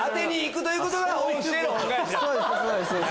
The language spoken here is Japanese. そうです。